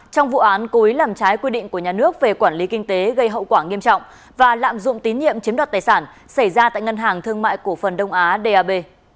trong vụ án cố ý làm trái quy định của nhà nước về quản lý kinh tế gây hậu quả nghiêm trọng và lạm dụng tín nhiệm chiếm đoạt tài sản xảy ra tại ngân hàng thương mại cổ phần đông á dab